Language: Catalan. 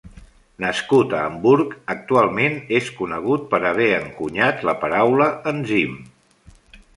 Nascut a Hamburg, actualment és conegut per haver encunyat la paraula enzim.